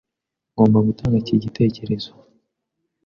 Ngomba gutanga iki gitekerezo.